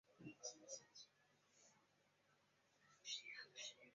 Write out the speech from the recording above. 是该国两个总教区之一。